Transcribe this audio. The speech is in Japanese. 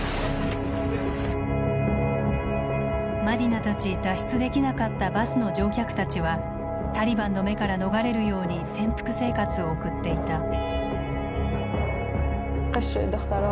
マディナたち脱出できなかったバスの乗客たちはタリバンの目から逃れるように潜伏生活を送っていた。